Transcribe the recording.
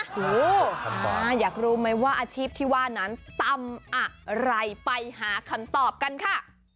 โอ้โหอยากรู้ไหมว่าอาชีพที่ว่านั้นทำอะไรไปหาคำตอบกันค่ะ